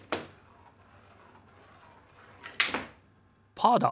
パーだ！